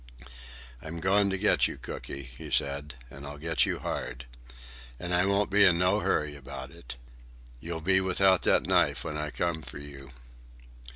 "I'm goin' to get you, Cooky," he said, "and I'll get you hard. And I won't be in no hurry about it. You'll be without that knife when I come for you."